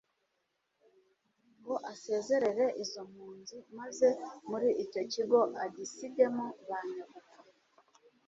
ngo asezerere izo mpunzi maze muri icyo kigo agisigemo ba nyagupfa